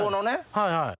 はいはい。